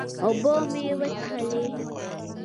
اوبۀ مې وڅښلې